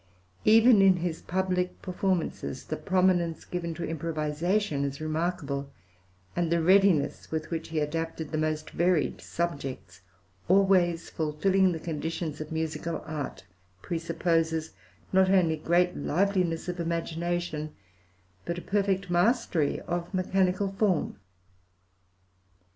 Even in his public performances the prominence given to improvisation is remarkable, and the readiness with which he adapted the most varied subjects, always fulfilling the conditions of musical art, presupposes not only great liveliness of imagination, but a perfect mastery of mechanical form.